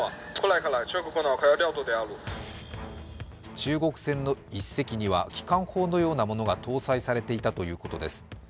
中国船の１隻には機関砲のようなものが搭載されていたということです。